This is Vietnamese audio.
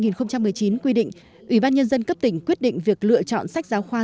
năm hai nghìn một mươi chín quy định ủy ban nhân dân cấp tỉnh quyết định việc lựa chọn sách giáo khoa